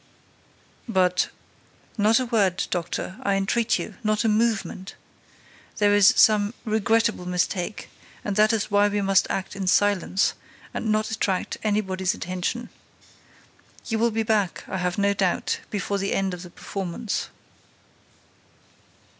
"But—" "Not a word, doctor, I entreat you, not a movement—There is some regrettable mistake; and that is why we must act in silence and not attract anybody's attention. You will be back, I have no doubt, before the end of the performance."